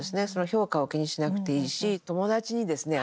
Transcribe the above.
評価を気にしなくていいし友達にですね